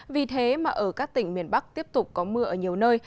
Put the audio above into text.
vì thế mà ở các tỉnh miền bắc tiếp tục có mưa ở nhiều nơi